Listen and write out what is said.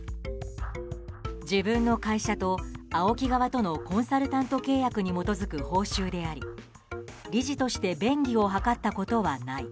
自分の会社とＡＯＫＩ側とのコンサルタント契約に基づく報酬であり、理事として便宜を図ったことはない。